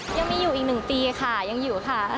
ยังมีอยู่อีก๑ปีค่ะยังอยู่ค่ะ